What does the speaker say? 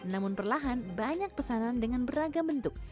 namun perlahan banyak pesanan dengan beragam bentuk